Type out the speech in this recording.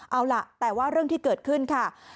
เอาล่ะแต่ว่าเรื่องที่เกิดขึ้นค่ะ